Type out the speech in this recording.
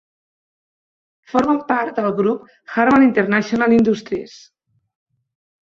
Formen part del grup Harman International Industries.